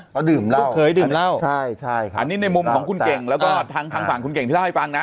ฮะลูกเคยดื่มเหล้าอันนี้ในมุมของคุณเก่งแล้วก็ทางฝั่งคุณเก่งที่เล่าให้ฟังนะ